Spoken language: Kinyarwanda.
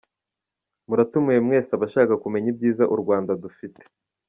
Muratumiwe mwese abashaka kumenya ibyiza u Rwanda dufite.